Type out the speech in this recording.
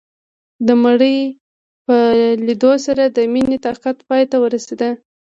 د مړي په ليدو سره د مينې طاقت پاى ته ورسېد.